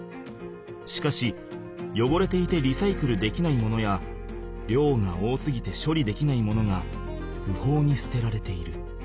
しかしよごれていてリサイクルできないものやりょうが多すぎてしょりできないものがふほうにすてられている。